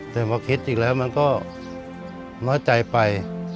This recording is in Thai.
แต่พอคิดอีกแล้วมันก็น้อยใจไป